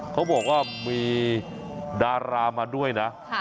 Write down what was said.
เขาบอกว่ามีดารามาด้วยนะ